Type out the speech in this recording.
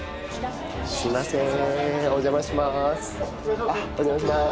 すいませんお邪魔します。